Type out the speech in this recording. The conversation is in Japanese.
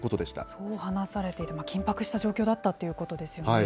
そう話されている、緊迫した状況だったということですよね。